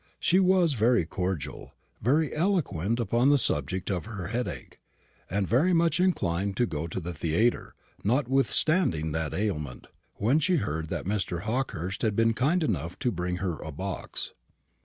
She was very cordial, very eloquent upon the subject of her headache, and very much inclined to go to the theatre, notwithstanding that ailment, when she heard that Mr. Hawkehurst had been kind enough to bring her a box.